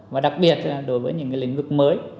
và đặc biệt là đối với những lĩnh vực mới